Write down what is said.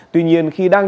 tuy nhiên khi đang